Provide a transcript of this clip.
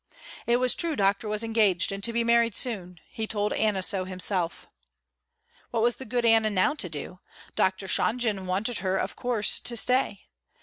It was true Doctor was engaged and to be married soon. He told Anna so himself. What was the good Anna now to do? Dr. Shonjen wanted her of course to stay.